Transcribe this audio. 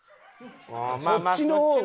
そっちの方が。